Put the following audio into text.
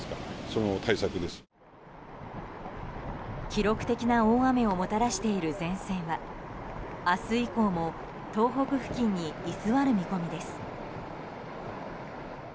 記録的な大雨をもたらしている前線は明日以降も東北付近に居座る見込みです。